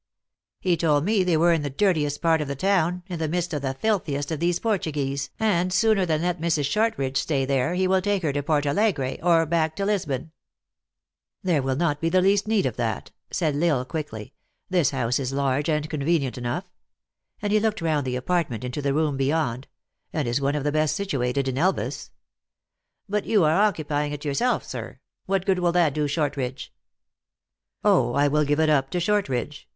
He told me they were in the dirtiest part of the town, in the midst of the filthiest of these Portuguese, and sooner than let Mrs. Shortridge stay there, he will take her toPortalegre, or back to Lisbon." 62 THE ACTRESS IN HIGH LIFE. "There will not he the least need of that," said L Isle, quickly ;" this house is large and convenient enough" and he looked round the apartment into the room beyond " and is one of the best situated in Elvas." "But you are occupying it yourself, sir. What good will that do, Shortridge ?"" Oh, I will give it up to Shortridge.